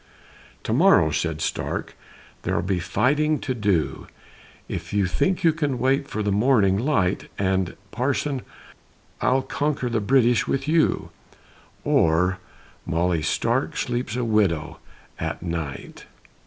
"To morrow," said Stark, "there'll be fighting to do, If you think you can wait for the morning light, And, Parson, I'll conquer the British with you, Or Molly Stark sleeps a widow at night."